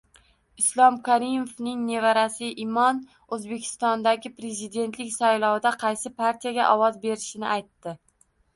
Islom Karimovning nevarasi Imon O‘zbekistondagi prezidentlik saylovida qaysi partiyaga ovoz berishini aytdi